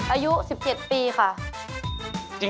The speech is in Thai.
อายุ๑๗ปีค่ะ